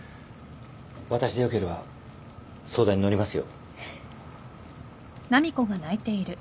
私でよければ相談に乗りますよ。